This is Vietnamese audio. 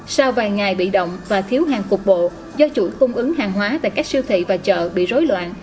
sau vài ngày bị động và thiếu hàng cục bộ do chuỗi cung ứng hàng hóa tại các siêu thị và chợ bị rối loạn